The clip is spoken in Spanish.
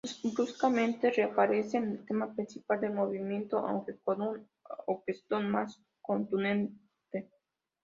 Bruscamente reaparece el tema principal del movimiento, aunque con una orquestación más contundente.